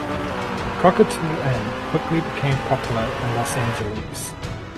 Cockatoo Inn quickly became popular in Los Angeles.